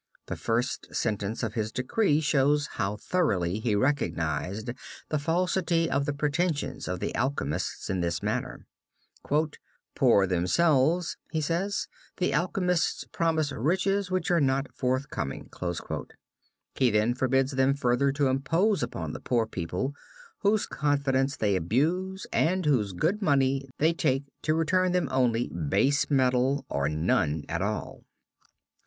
The first sentence of his decree shows how thoroughly he recognized the falsity of the pretensions of the alchemists in this matter. "Poor themselves," he says, "the alchemists promise riches which are not forthcoming." He then forbids them further to impose upon the poor people whose confidence they abuse and whose good money they take to return them only base metal or none at all.